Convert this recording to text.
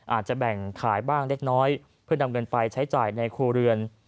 อาจจะแบ่งขายบ้างเล็กน้อยเพื่อนำเงินไปใช้จ่ายในครัวเรือน